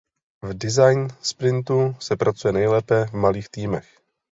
V Design Sprintu se pracuje nejlépe v malých týmech.